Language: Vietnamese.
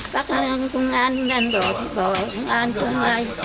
các công an nên bỏ công an cho ngay